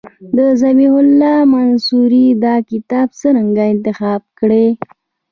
او ذبیح الله منصوري دا کتاب څرنګه انتخاب کړی.